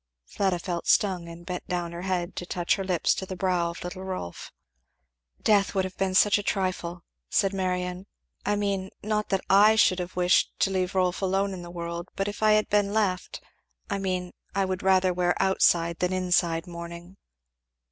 Fleda felt stung, and bent down her head to touch her lips to the brow of little Rolf. "Death would have been a trifle!" said Marion. "I mean, not that I should have wished to leave Rolf alone in the world; but if I had been left I mean I would rather wear outside than inside mourning."